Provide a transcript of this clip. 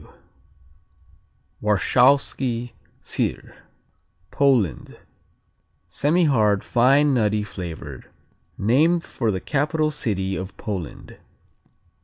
W Warshawski Syr Poland Semihard; fine nutty flavor; named for the capital city of Poland.